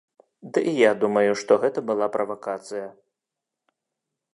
Ды і я думаю, што гэта была правакацыя.